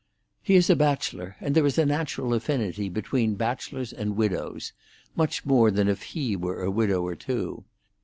"He is a bachelor, and there is a natural affinity between bachelors and widows—much more than if he were a widower too.